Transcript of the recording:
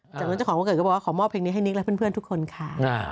จากนั้นเจ้าของวันเกิดก็บอกว่าขอมอบเพลงนี้ให้นิกและเพื่อนทุกคนค่ะ